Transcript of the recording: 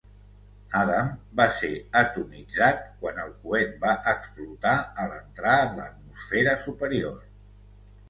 Adam va ser atomitzat quan el coet va explotar a l'entrar en l'atmosfera superior.